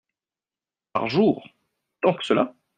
Par jour ! tant que cela ?